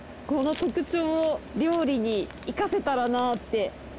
この特長を料理に生かせたらなって。